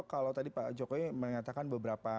kalau tadi pak jokowi mengatakan beberapa